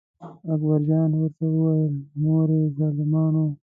اکبر جان ورته وویل: مورې ظالمانو.